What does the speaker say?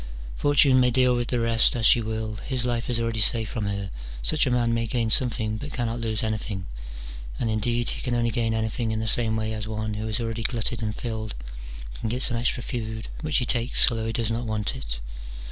Fortune may deal with the rest as she will, his life is already safe from her: such a man may gain something, but cannot lose anything : and, indeed, he can only gain anything in the same way as one who is already glutted and filled can get some extra food which he takes although he does not want it.